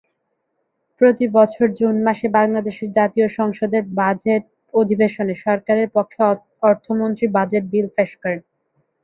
প্রতি বছর জুন মাসে বাংলাদেশের জাতীয় সংসদের বাজেট অধিবেশনে সরকারের পক্ষে অর্থমন্ত্রী বাজেট বিল পেশ করেন।